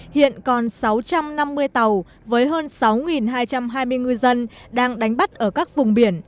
hiện còn sáu trăm năm mươi tàu với hơn sáu hai trăm hai mươi ngư dân đang đánh bắt ở các vùng biển